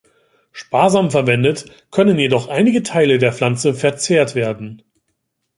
Sparsam verwendet können jedoch einige Teile der Pflanze verzehrt werden.